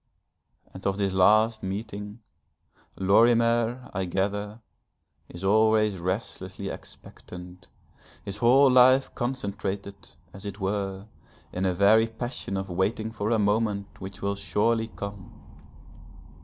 And of this last meeting, Lorimer, I gather, is always restlessly expectant, his whole life concentrated, as it were, in a very passion of waiting for a moment which will surely come.